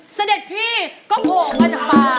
เสด็จพี่ก็โผล่ออกมาจากป่า